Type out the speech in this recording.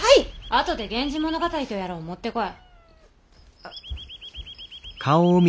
後で源氏物語とやらを持ってこい。